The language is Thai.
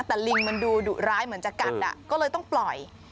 แต่ลิงมันดูดุร้ายเหมือนจะกัดก็เลยต้องปล่อย